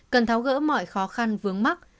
bàn tháo gỡ mọi khó khăn vướng mắt